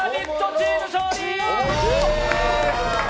チーム勝利！！